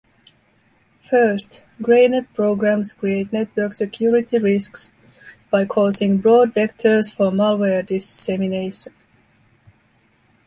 First, greynet programs create network security risks by causing broad vectors for malware dissemination.